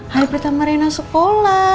hari pertama rena sekolah